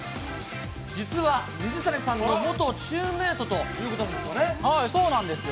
実は水谷さんの元チームメートとそうなんです。